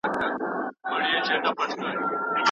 که مایکروفون وي نو غږ نه ټیټیږي.